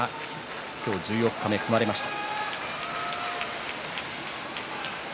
今日十四日目に組まれました。